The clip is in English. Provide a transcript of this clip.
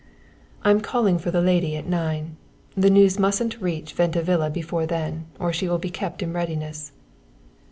"I'm calling for the lady at nine. The news mustn't reach Venta Villa before then, or she will be kept in readiness."